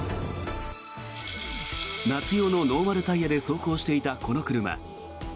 夏用のノーマルタイヤで走行していたこの車。